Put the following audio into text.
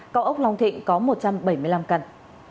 cao ốc long thịnh có một trăm bảy mươi năm căn